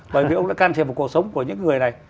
bởi vì ông đã can thiệp vào cuộc sống của những người này